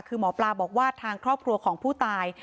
คือหมอปลาบอกว่าทางครอบครัวของผู้ตาย